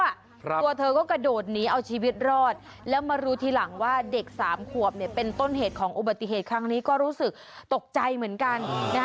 ตัวเธอก็กระโดดหนีเอาชีวิตรอดแล้วมารู้ทีหลังว่าเด็กสามขวบเนี่ยเป็นต้นเหตุของอุบัติเหตุครั้งนี้ก็รู้สึกตกใจเหมือนกันนะฮะ